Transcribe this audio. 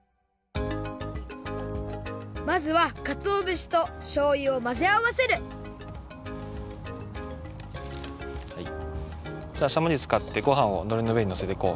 まずはかつおぶしとしょうゆをまぜあわせるしゃもじつかってごはんをのりのうえにのせていこう。